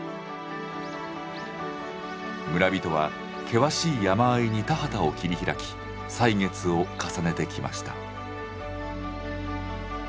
村人は険しい山あいに田畑を切り開き歳月を重ねてきました。